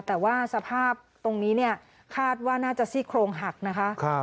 แต่ว่าสภาพตรงนี้เนี่ยคาดว่าน่าจะซี่โครงหักนะคะ